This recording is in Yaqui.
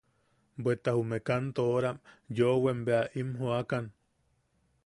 Bweta jume kantooram yoʼowem bea i m joʼakan.